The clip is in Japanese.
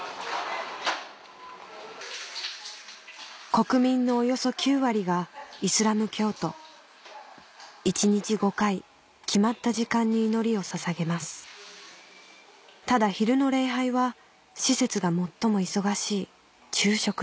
国民のおよそ９割がイスラム教徒１日５回決まった時間に祈りを捧げますただ昼の礼拝は施設が最も忙しい昼食時